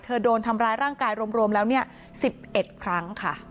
เธอโดนทำร้ายร่างกายรวมแล้วเนี่ยสิบเอ็ดครั้งค่ะ